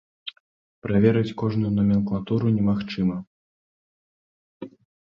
Праверыць кожную наменклатуру немагчыма.